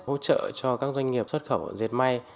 hỗ trợ cho các doanh nghiệp xuất khẩu dệt may